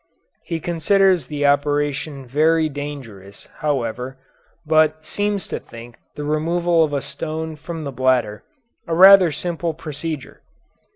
He considers the operation very dangerous, however, but seems to think the removal of a stone from the bladder a rather simple procedure.